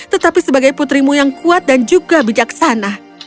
tetapi sebagai putrimu yang kuat dan juga bijaksana